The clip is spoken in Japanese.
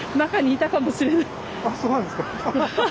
あっそうなんですか。